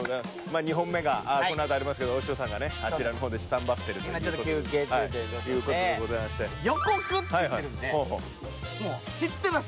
２本目がこのあとありますけどお師匠さんがねあちらの方でスタンバってる今ちょっと休憩中ということでということでございまして予告って言ってるんでもう知ってます